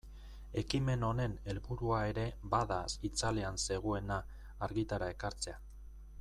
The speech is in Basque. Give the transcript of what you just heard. Ekimen honen helburua ere bada itzalean zegoena argitara ekartzea.